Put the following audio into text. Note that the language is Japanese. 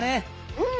うん！